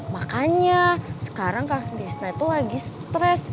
makanya sekarang kak tisna itu lagi stress